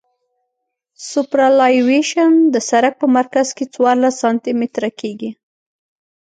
سوپرایلیویشن د سرک په مرکز کې څوارلس سانتي متره کیږي